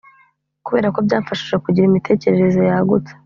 kubera ko byamfashije kugira imitekerereze yagutse